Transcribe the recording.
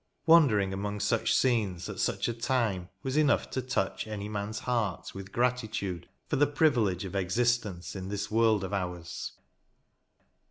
Wandering among such scenes, at such a time, was enough to touch any man's heart with gratitude for the privilege of existence in this world of ours.